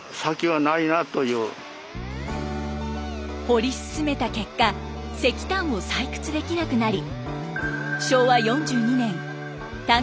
掘り進めた結果石炭を採掘できなくなり。